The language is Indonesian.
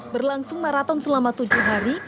berlangsung maraton selama tujuh hari